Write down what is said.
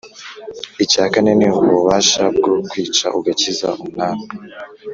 icya kane ni ububasha bwo kwica ugakiza: umwami